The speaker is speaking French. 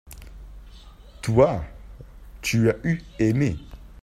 toi, tu as eu aimé.